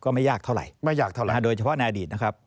ไม่ยากเท่าไหร่โดยเฉพาะในอดีตนะครับ